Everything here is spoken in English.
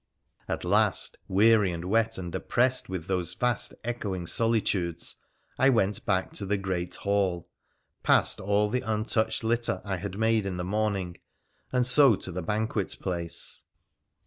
At last, weary and wet, and oppressed with those vast echoing solitudes, I went back to the great hall — passed all the untouched litter I had made in the morning — and so to the banquet place.